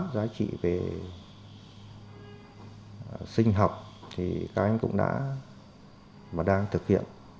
giá trị về sinh học thì các anh cũng đã mà đang thực hiện